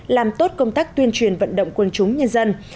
làm tốt công tác tuyên truyền vận động quân chúng nhân dân